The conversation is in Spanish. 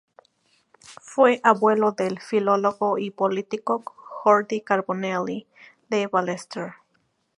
Fue abuelo del filólogo y político Jordi Carbonell i de Ballester.